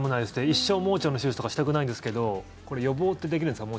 一生、盲腸の手術とかしたくないんですけど予防ってできるんですか？